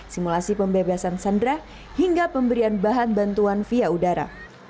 simulasi pembebasan sandera hingga pemberian bahan bantuan via udara